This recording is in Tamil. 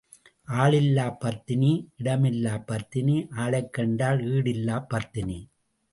ஆள் இல்லாப் பத்தினி, இடம் இல்லாப் பத்தினி, ஆளைக் கண்டால் ஈடு இல்லாப் பத்தினி.